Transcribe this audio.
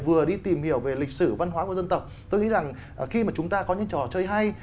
vừa đi tìm hiểu về lịch sử văn hóa của dân tộc tôi nghĩ rằng khi mà chúng ta có những trò chơi hay